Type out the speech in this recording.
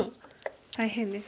大変です。